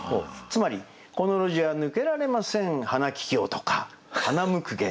つまり「この路地は抜けられません花ききょう」とか「花むくげ」。